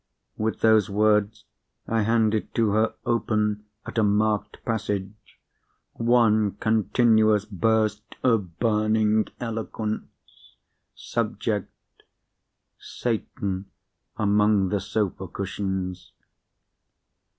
With those words, I handed it to her open, at a marked passage—one continuous burst of burning eloquence! Subject: Satan among the Sofa Cushions.